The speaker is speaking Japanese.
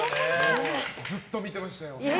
ずっと見てましたよ。